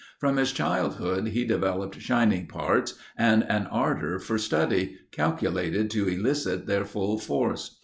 From his childhood he developed shining parts and an ardor for study, calculated to elicit their full force.